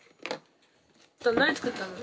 何作ったの？